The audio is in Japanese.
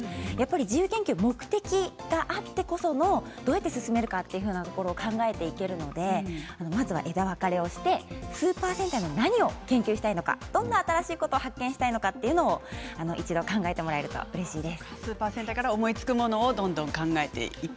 自由研究は目的があってこそどうやって進むかを考えていけるのでまずは枝分かれをしてスーパー戦隊の何を研究したいのかどんな新しいことを発見したいのか考えていただければと思います。